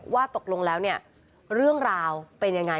ว่าตกลงแล้วเนี่ยเรื่องราวเป็นยังไง